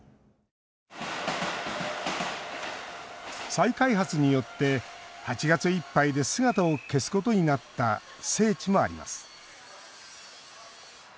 再開発によって８月いっぱいで姿を消すことになった聖地もあります。